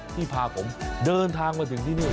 ที่พาผมเดินทางมาถึงที่นี่